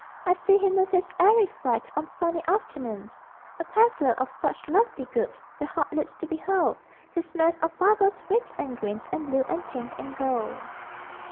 I see him with his airy freight On sunny afternoons A peddler of such lovely goods! The heart leaps to behold His mass of bubbles, red and green And blue and pink and gold.